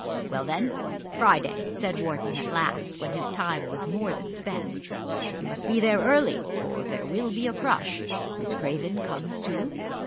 "Well then, Friday," said Wharton at last, when his time was more than spent. "You must be there early, for there will be a crush. Miss Craven comes too?